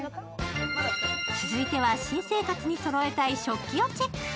続いては新生活にそろえたい食器をチェック。